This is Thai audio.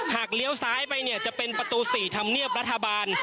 เลี้ยวซ้ายไปเนี่ยจะเป็นประตู๔ธรรมเนียบรัฐบาล